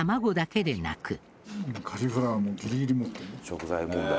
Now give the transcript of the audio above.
「食材問題」